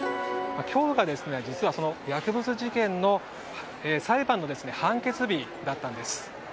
今日が実はその薬物事件の裁判の判決日だったんです。